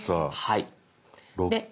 はい。